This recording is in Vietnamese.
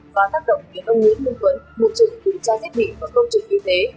có tác động khiến ông nguyễn lưng quấn một trịnh thủy tra xét định và công trình y tế